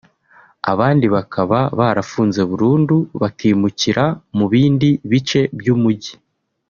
abandi bakaba barafunze burundu bakimukira mu bindi bice by’umujyi